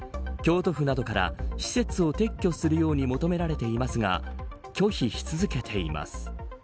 京都府などから施設を撤去するよう求められていますが拒否し続けています。